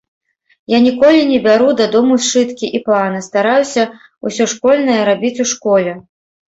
Я ніколі не бяру дадому сшыткі і планы, стараюся ўсё школьнае рабіць у школе.